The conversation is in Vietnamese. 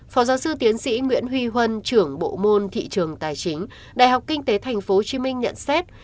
phó giáo sư tiến sĩ nguyễn huy huân trưởng bộ môn thị trường tài chính đại học kinh tế tp hcm nhận xét